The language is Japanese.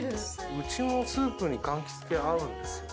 うちのスープにかんきつ系合うんですよ。